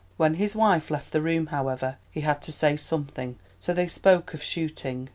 When his wife left the room, however, he had to say something, so they spoke of shooting.